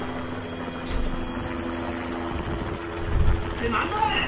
ってなんだあれ！